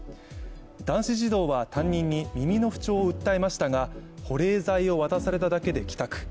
男子児童は担任に耳の不調を訴えましたが保冷剤を渡されただけで帰宅。